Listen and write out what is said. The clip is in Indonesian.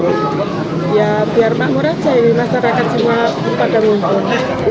biar makmurat jadi masyarakat semua pada menghiasi